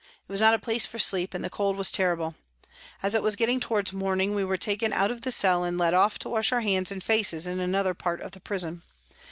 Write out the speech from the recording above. It was not a place for sleep, and the cold was terrible. As it was getting towards morning, we were taken out of the cell and led off to wash our hands and faces in. another part of the prison.